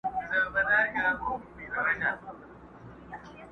کتابونه یې په څنګ کي وه نیولي.!